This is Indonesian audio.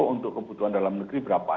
untuk kebutuhan dalam negeri berapa